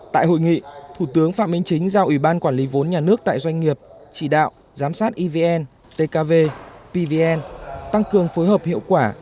tại hội nghị thủ tướng phạm minh chính giao ủy ban quản lý vốn nhà nước tại doanh nghiệp chỉ đạo giám sát evn tkv pvn tăng cường phối hợp hiệu quả